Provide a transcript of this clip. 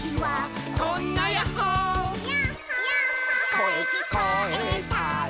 「こえきこえたら」